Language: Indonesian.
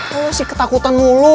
lo sih ketakutan mulu